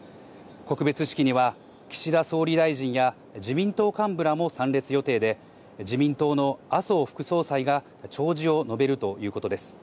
告別式には岸田総理大臣や自民党幹部らも参列予定で、自民党の麻生副総裁が弔辞を述べるということです。